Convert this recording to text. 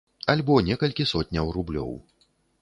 Альбо некалькі сотняў рублёў.